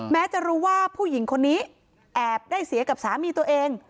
แม้จะรู้ว่าผู้หญิงคนนี้แอบได้เสียกับสามีตัวเอง